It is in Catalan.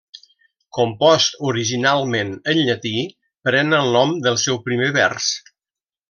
Compost originalment en llatí, pren el nom del seu primer vers.